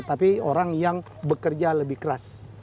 tapi orang yang bekerja lebih keras